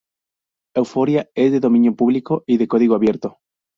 Euphoria es de dominio público y de código abierto.